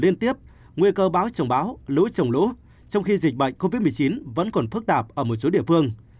nguy cơ báo trồng báo lũ trồng lũ trong khi dịch bệnh covid một mươi chín vẫn còn phức tạp ở một số địa phương